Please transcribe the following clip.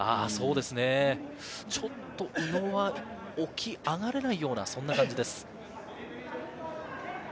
ちょっと宇野が起き上がれないような、そんな感じです。